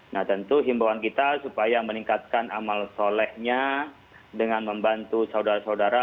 nah tentu himbawan kita supaya meningkatkan amal solehnya dengan membantu saudara saudara